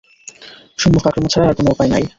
সম্মুখ আক্রমণ ছাড়া আর কোন উপায় নাই।